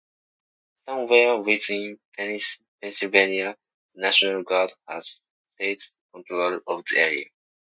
Somewhere within Pennsylvania, the National Guard has seized control of the area.